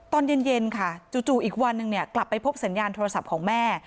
ตอนเย็นค่ะจู่อีกวันหนึ่งกลับไปพบสัญญาณโทรศัพท์ของแม่